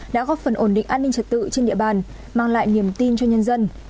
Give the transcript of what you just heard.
đã góp phần ổn định an ninh trật tự trên địa bàn mang lại niềm tin cho nhân dân